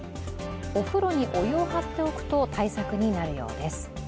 お風呂にお湯を張っておくと対策になるようです。